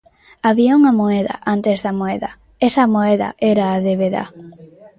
Había unha moeda antes da moeda: esa moeda era a débeda.